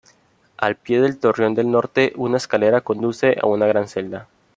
Al pie del torreón del norte, una escalera conduce a una gran celda.